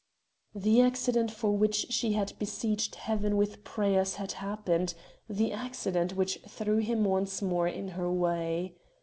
The accident for which she had besieged Heaven with prayers had happened the accident which threw him once more in her way.